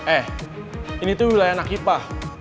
eh ini tuh wilayah anak hipah